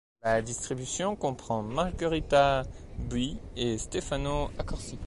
La distribution comprend Margherita Buy et Stefano Accorsi.